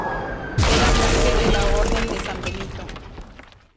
Era monje de la Orden de San Benito.